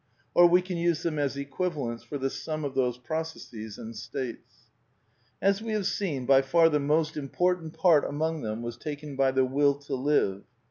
Or we can use them as equivalents for the sum of those processes and states. As we have seen, by far the most important part among them was taken by the Will to live.